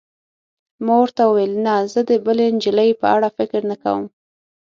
ما ورته وویل: نه، زه د بلې نجلۍ په اړه فکر نه کوم.